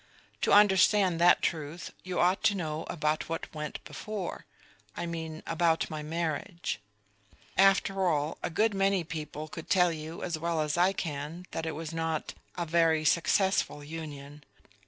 To understand that truth you ought to know about what went before; I mean about my marriage. After all, a good many people could tell you as well as I can that it was not ... a very successful union.